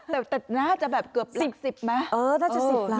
แต่น่าจะแบบเกือบ๑๐ไหมน่าจะ๑๐ล้าน